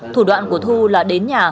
thủ đoạn của thu là đến nhà